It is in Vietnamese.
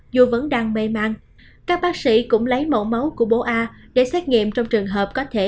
dù vẫn đang mê mang các bác sĩ cũng lấy mẫu máu của bố a để xét nghiệm trong trường hợp có thể